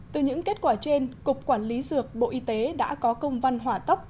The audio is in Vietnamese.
từ những kết quả trên cục quản lý dược bộ y tế đã có công văn hỏa tốc